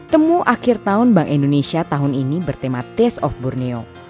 temu akhir tahun bank indonesia tahun ini bertema taste of borneo